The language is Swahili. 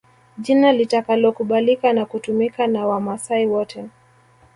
Jina litakalokubalika na kutumika na Wamaasai wote